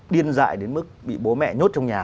điên dại đến mức bị bố mẹ nhốt trong nhà